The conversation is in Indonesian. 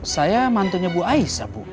saya mantunya bu aisyah bu